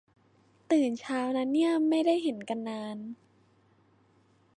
ตื่นเช้านะเนี่ย ไม่ได้เห็นกันนาน